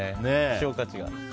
希少価値が。